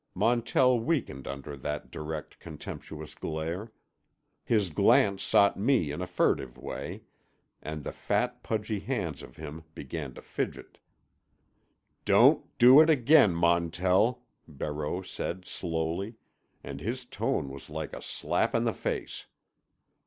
Montell weakened under that direct contemptuous glare. His glance sought me in a furtive way, and the fat, pudgy hands of him began to fidget. "Don't do it again, Montell," Barreau said slowly, and his tone was like a slap in the face.